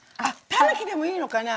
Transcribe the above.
たぬきでもいいのかな？